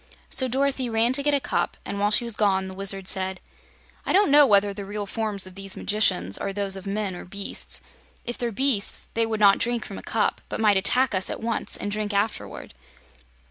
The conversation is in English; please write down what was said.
So Dorothy ran to get a cup, and while she was gone the Wizard said: "I don't know whether the real forms of these magicians are those of men or beasts. If they're beasts, they would not drink from a cup but might attack us at once and drink afterward.